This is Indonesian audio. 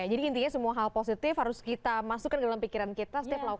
jadi intinya semua hal positif harus kita masukin ke dalam pikiran kita setiap lautan